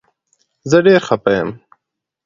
زه ډير خفه يم